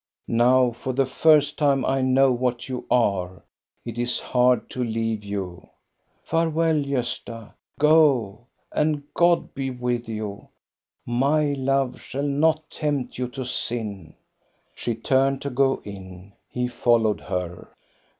" Now for the first time I know what you are. It is hard to leave you." " Farewell, Gosta ! Go, and God be with you ! My love shall not tempt you to sin." She turned to go in. He followed her.